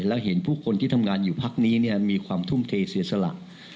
และเห็นผู้คนที่ทำงานอยู่พักนี้มีความทุ่มเทเสียสละ